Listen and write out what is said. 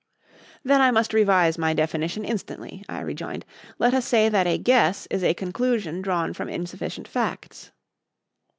"Then I must revise my definition instantly," I rejoined. "Let us say that a guess is a conclusion drawn from insufficient facts."